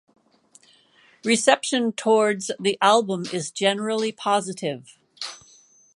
Reception towards the album is generally positive.